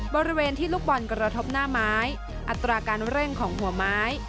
บริเวณที่ลูกบอลกระทบหน้าไม้อัตราการเร่งของหัวไม้